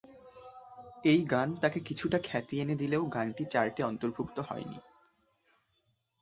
এই গান তাকে কিছুটা খ্যাতি এনে দিলেও গানটি চার্টে অন্তর্ভুক্ত হয়নি।